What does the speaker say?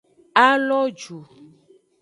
A lo ju.